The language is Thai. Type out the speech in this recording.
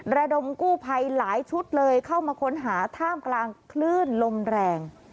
ระดมกู้ภัยหลายชุดเลยเข้ามาค้นหาท่ามกลางคลื่นลมแรง